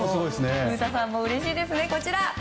古田さんもうれしいですね。